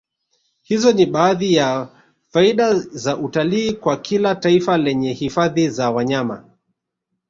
Hizo ni baadhi ya faida za utalii kwa kila taifa lenye hifadhi za wanyama